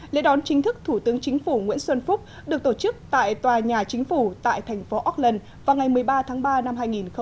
lễ đón chính thức thủ tướng chính phủ nguyễn xuân phúc được tổ chức tại tòa nhà chính phủ tại thành phố auckland vào ngày một mươi ba tháng ba năm hai nghìn một mươi chín